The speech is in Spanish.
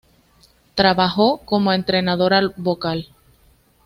Trabajó como entrenadora vocal.